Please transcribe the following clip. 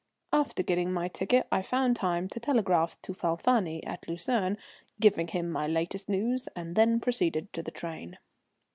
After getting my ticket I found time to telegraph to Falfani at Lucerne, giving him my latest news, and then proceeded to the train.